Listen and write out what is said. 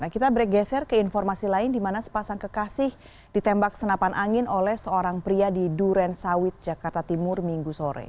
kita bergeser ke informasi lain di mana sepasang kekasih ditembak senapan angin oleh seorang pria di duren sawit jakarta timur minggu sore